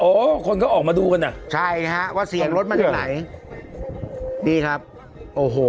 คนก็ออกมาดูกันอ่ะใช่ฮะว่าเสียงรถมาจากไหนนี่ครับโอ้โห